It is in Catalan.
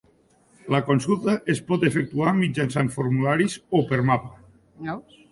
La consulta es pot efectuar mitjançant formularis o per mapa.